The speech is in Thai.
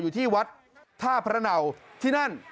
อยู่ที่วัดท่าพระเนาที่นั่น